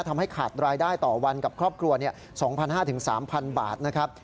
ทำให้ขาดรายได้ต่อวันกับครอบครัว๒๕๐๐๓๐๐บาทนะครับ